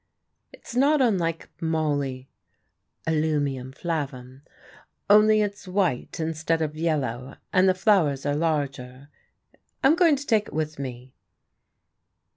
"It's not unlike moly (Allium flavum), only it's white instead of yellow, and the flowers are larger. I'm going to take it with me."